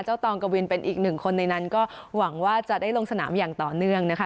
ตองกวินเป็นอีกหนึ่งคนในนั้นก็หวังว่าจะได้ลงสนามอย่างต่อเนื่องนะคะ